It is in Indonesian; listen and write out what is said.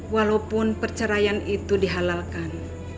walaupun perceraian itu dihalalkan